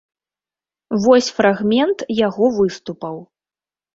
Вось фрагмент яго выступаў.